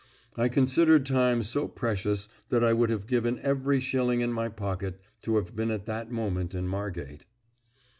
I considered time so precious that I would have given every shilling in my pocket to have been at that moment in Margate.